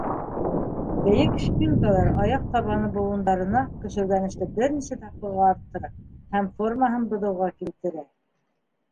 Бейек шпилькалар аяҡ табаны быуындарына көсөргәнеште бер нисә тапҡырға арттыра һәм формаһын боҙоуға килтерә.